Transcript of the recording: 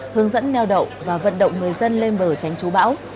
hướng dẫn neo đậu và vận động người dân lên bờ tránh chú bão